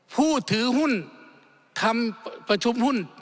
ผู้ถือหุ้นทำประชุมหุ้น